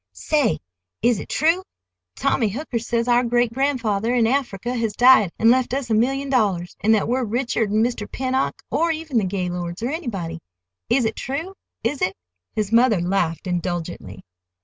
Say, is it true? Tommy Hooker says our great grandfather in Africa has died an' left us a million dollars, an' that we're richer'n Mr. Pennock or even the Gaylords, or anybody! Is it true? Is it?" His mother laughed indulgently.